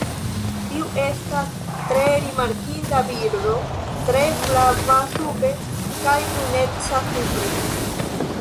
Tiu estas tre rimarkinda birdo tre flava sube kaj bruneca supre.